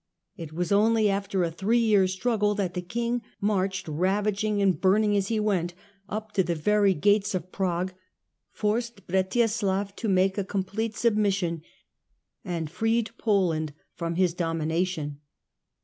It was only after a three years' struggle that the king marched, ravaging and burning as he went, up to the very gates of Prague, forced Bretislav to make a complete submission, and freed Poland from his domination.